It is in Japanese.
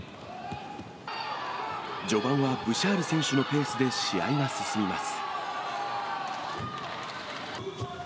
序盤はブシャール選手のペースで試合が進みます。